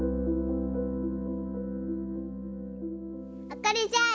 あかりちゃん！